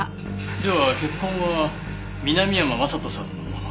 では血痕は南山将人さんのもの？